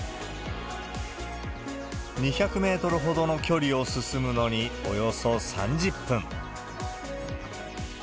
２００メートルほどの距離を進むのに、およそ３０分。